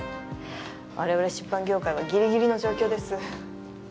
我々出版業界はギリギリの状況です。